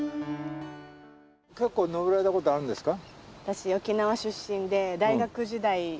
結構登られたことあるんですか？